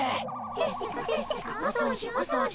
せっせかせっせかお掃除お掃除。